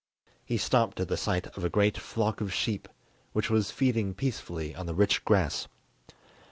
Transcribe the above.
He stopped at the sight of a great flock of sheep, which was feeding peacefully on the rich grass.